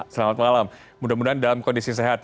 selamat malam mudah mudahan dalam kondisi sehat